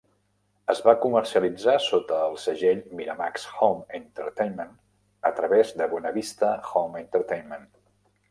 Es va comercialitzar sota el segell Miramax Home Entertainment a través de Buena Vista Home Entertainment.